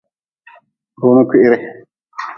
Runi kwihri.